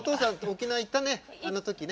沖縄に行ったねあの時ね。